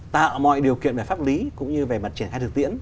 tạo mọi điều kiện về pháp lý cũng như về mặt triển khai thực tiễn